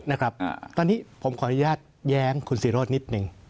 นะครับตอนนี้ผมขออนุญาตแย้งคุณศิโรธนิดหนึ่ง